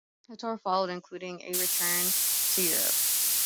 A tour followed, including a return to Europe.